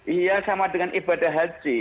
iya sama dengan ibadah haji